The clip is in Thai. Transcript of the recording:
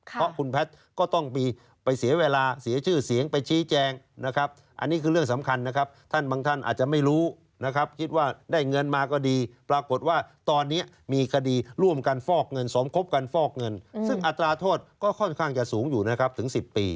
เพราะคุณแพทย์ก็ต้องมีไปเสียเวลาเสียชื่อเสียงไปชี้แจงนะครับอันนี้คือเรื่องสำคัญนะครับท่านบางท่านอาจจะไม่รู้นะครับคิดว่าได้เงินมาก็ดีปรากฏว่าตอนนี้มีคดีร่วมกันฟอกเงินสมคบกันฟอกเงินซึ่งอัตราโทษก็ค่อนข้างจะสูงอยู่นะครับถึง๑๐ปี